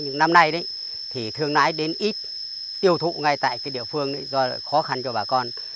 những năm nay thì thương lái đến ít tiêu thụ ngay tại cái địa phương do khó khăn cho bà con